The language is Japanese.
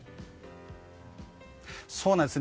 そうなんです。